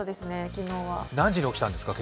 今朝は何時に起きたんですか？